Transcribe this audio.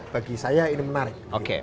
bagi saya ini menarik